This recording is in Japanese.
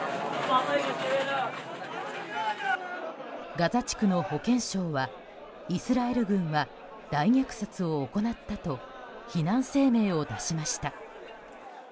ガザ地区の保健省はイスラエル軍が大虐殺を行ったと非難声明を出しました。